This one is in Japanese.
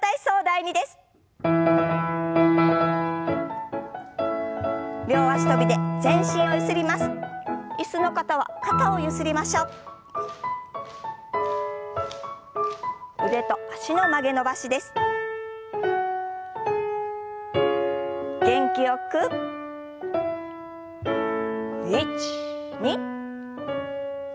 １２。